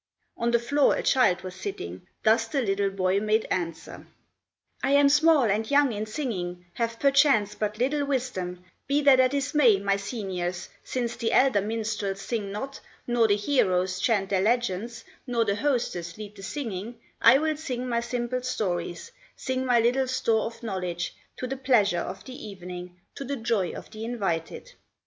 On the floor a child was sitting, Thus the little boy made answer: "I am small and young in singing, Have perchance but little wisdom; Be that as it may, my seniors, Since the elder minstrels sing not, Nor the heroes chant their legends, Nor the hostess lead the singing, I will sing my simple stories, Sing my little store of knowledge, To the pleasure of the evening, To the joy of the invited."